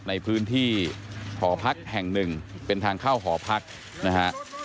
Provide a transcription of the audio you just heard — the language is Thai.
ในพื้นที่หอพักแห่งหนึ่งเป็นทางเข้าหอพักนะฮะ